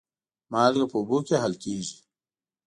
مالګه په اوبو کې حل کېږي.